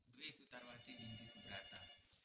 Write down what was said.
brie sutarwati binti subrata